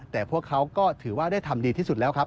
แต่พวกเขาก็ถือว่าได้ทำดีที่สุดแล้วครับ